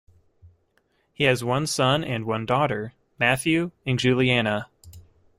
He has one son and one daughter, Matthew and Julianna.